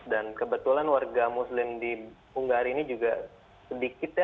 dan kebetulan warga muslim di bunggari ini juga sedikit ya